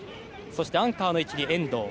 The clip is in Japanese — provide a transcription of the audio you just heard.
そしてアンカーの位置に遠藤。